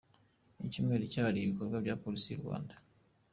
Icyumweru cyahariwe ibikorwa bya Polisi y’u Rwanda